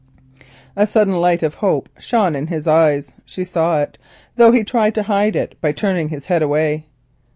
A sudden light of hope shone in his eyes. She saw it, though he tried to hide it by turning his head away.